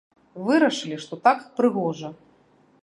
Вырашылі, што так прыгожа.